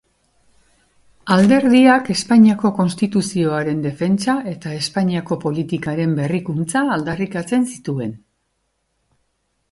Alderdiak Espainiako Konstituzioaren defentsa eta Espainiako politikaren berrikuntza aldarrikatzen zituen.